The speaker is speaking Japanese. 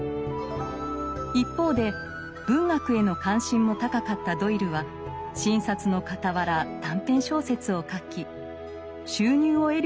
一方で文学への関心も高かったドイルは診察のかたわら短編小説を書き収入を得るようになっていました。